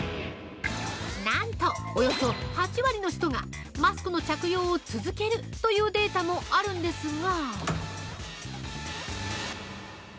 なんと、およそ８割の人がマスクの着用を続けるというデータもあるんですが。